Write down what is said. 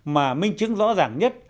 mà minh chứng rõ ràng nhất